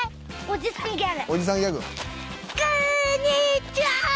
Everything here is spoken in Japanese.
こんにちは！！